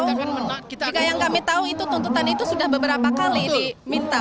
jika yang kami tahu itu tuntutan itu sudah beberapa kali diminta